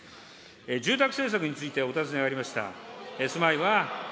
住宅政策についてお尋ねがありました。